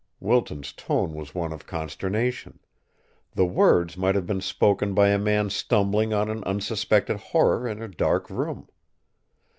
Wilton's tone was one of consternation; the words might have been spoken by a man stumbling on an unsuspected horror in a dark room.